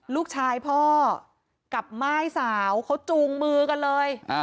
ลูกชายพ่อกับม่ายสาวเขาจูงมือกันเลย